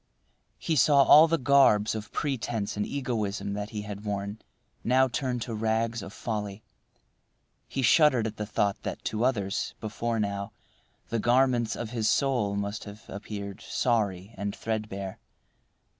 He saw all the garbs of pretence and egoism that he had worn now turn to rags of folly. He shuddered at the thought that to others, before now, the garments of his soul must have appeared sorry and threadbare.